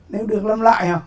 nếu được làm lại hả